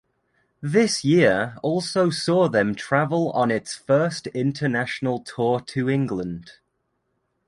This year also saw them travel on its first international tour to England.